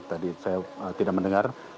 tadi saya tidak mendengar